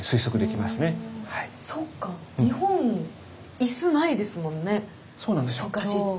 日本椅子ないですもんね昔って。